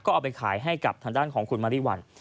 ก็เอาไปขายให้กับทางด้านของคุณมาริวัล